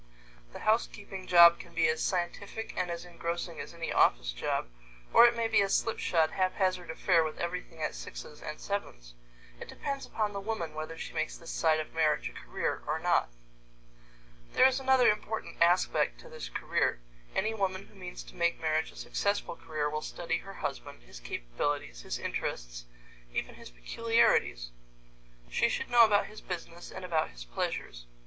This housekeeping job can be as scientific and as engrossing as any office job, or it may be a slipshod, haphazard affair with everything at sixes and sevens. It all depends upon the woman whether she makes this side of marriage a career or not. There is another important aspect to this career. Any woman who means to make marriage a successful career will study her husband, his capabilities, his interests, even his peculiarities. She should know about his business and about his pleasures.